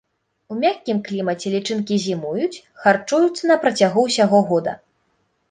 У мяккім клімаце лічынкі зімуюць, харчуюцца на працягу ўсяго года.